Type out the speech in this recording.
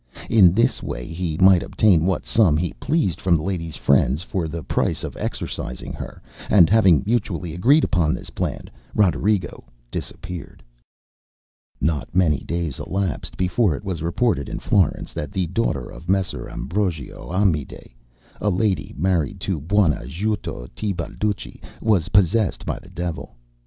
In this way he might obtain what sum he pleased from the ladyŌĆÖs friends for the price of exorcizing her; and having mutually agreed upon this plan, Roderigo disappeared. Not many days elapsed before it was reported in Florence that the daughter of Messer Ambrogio Amedei, a lady married to Buonajuto Tebalducci, was possessed by the devil.